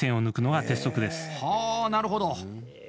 は、なるほど。